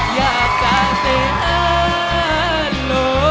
อยากจะเซอร์โหล